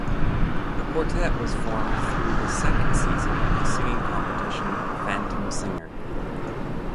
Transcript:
The quartet was formed through the second season of the singing competition "Phantom Singer".